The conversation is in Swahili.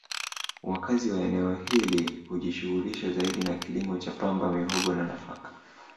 Wakazi wa eneo hili hujishughulisha zaidi na kilimo cha pamba mihogo na nafaka